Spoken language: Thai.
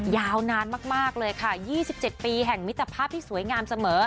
ยาวนานมากเลยค่ะ๒๗ปีแห่งมิตรภาพที่สวยงามเสมอ